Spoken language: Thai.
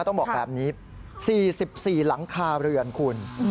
ต้องบอกแบบนี้๔๔หลังคาเรือนคุณ